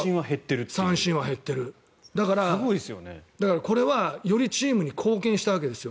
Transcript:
だから、これはよりチームに貢献したわけです。